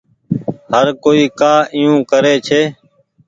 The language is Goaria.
هر ڪوئي ڪآ ايو ڪري ڇي۔